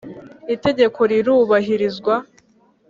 Itegeko rirubahirizwa.